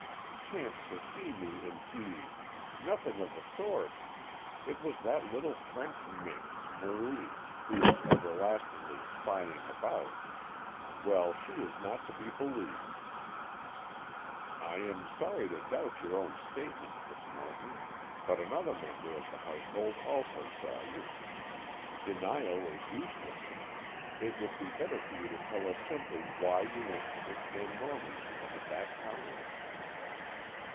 "Chanced to see me, indeed! Nothing of the sort! It was that little French minx, Marie, who is everlastingly spying about! Well, she is not to be believed." "I am sorry to doubt your own statement, Miss Morton, but another member of the household also saw you. Denial is useless; it would be better for you to tell us simply why you went to Miss Van Norman's room at that time."